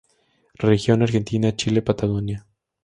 Región Argentina-Chile-Patagonia.